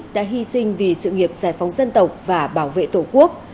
đã hy sinh vì sự nghiệp giải phóng dân tộc và bảo vệ tổ quốc